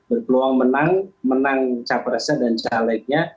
berpeluang menang menang caw presnya dan caw legnya